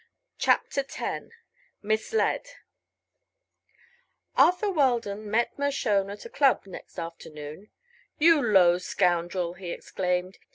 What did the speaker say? CHAPTER X MISLED Arthur Weldon met Mershone at a club next afternoon. "You low scoundrel!" he exclaimed.